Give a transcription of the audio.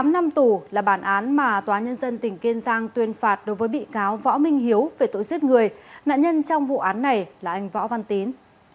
tám năm tù là bản án mà tòa nhân dân tỉnh kiên giang tuyên phạt đối với bị cáo võ minh hiếu về tội giết người nạn nhân trong vụ án này là anh võ văn tín